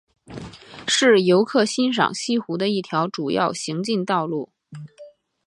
是游客欣赏西湖的一条主要行进道路。